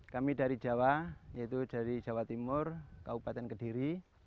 kami dari jawa yaitu dari jawa timur kabupaten kediri